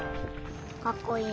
かっこいい。